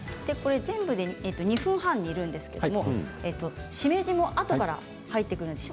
２分半に煮るんですけれどしめじも、あとから入ってくるんですよね。